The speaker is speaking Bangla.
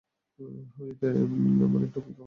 হাওয়াইতে আমার একটা পিকআপ আছে।